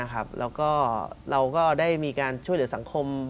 แล้วก็เราก็ได้มีการช่วยเหลือสังคม